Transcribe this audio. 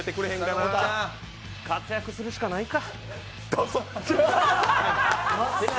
活躍するしかないか。